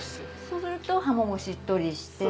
そうすると鱧もしっとりして。